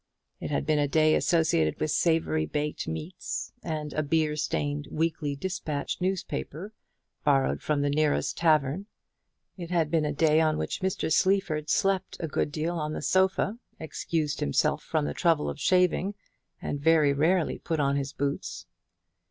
It had been a day associated with savoury baked meats, and a beer stained "Weekly Dispatch" newspaper borrowed from the nearest tavern. It had been a day on which Mr. Sleaford slept a good deal on the sofa, excused himself from the trouble of shaving, and very rarely put on his boots.